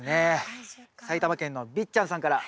埼玉県のびっちゃんさんから。